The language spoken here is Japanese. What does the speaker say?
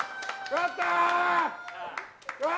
勝った！